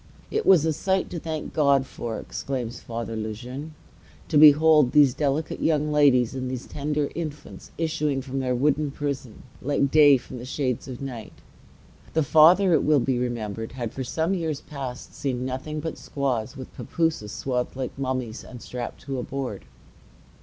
"It was a sight to thank God for," exclaims Father Le Jeune, "to behold these delicate young ladies and these tender infants issuing from their wooden prison, like day from the shades of night." The Father, it will be remembered, had for some years past seen nothing but squaws, with papooses swathed like mummies and strapped to a board.